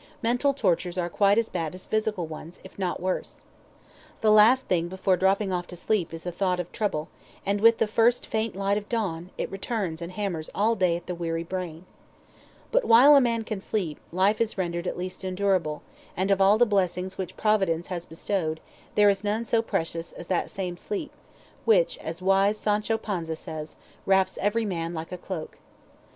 Mental tortures are quite as bad as physical ones, if not worse. The last thing before dropping off to sleep is the thought of trouble, and with the first faint light of dawn, it returns and hammers all day at the weary brain. But while a man can sleep, life is rendered at least endurable; and of all the blessings which Providence has bestowed, there is none so precious as that same sleep, which, as wise Sancho Panza says, "Wraps every man like a cloak."